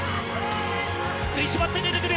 「食いしばって出てくる」。